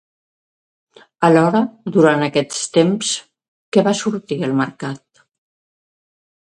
Alhora, durant aquest temps, què va sortir al mercat?